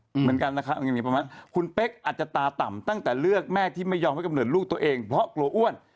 เหมือนกันนะครับอย่างนี้ประมาณคุณเป๊กอาจจะตาต่ำตั้งแต่เลือกแม่ที่ไม่ยอมให้กำเนิดลูกตัวเองเพราะกลัวอ้วน